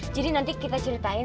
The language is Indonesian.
jadi nanti kita ceritain